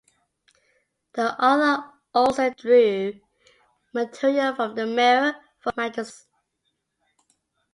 The author also drew material from the Mirror for Magistrates.